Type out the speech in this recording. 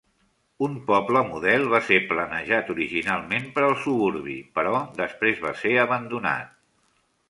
Un poble model va ser planejat originalment per al suburbi però després va ser abandonat.